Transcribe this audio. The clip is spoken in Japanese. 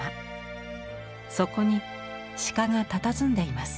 そこに鹿がたたずんでいます。